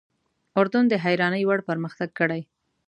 اردن د حیرانۍ وړ پرمختګ کړی.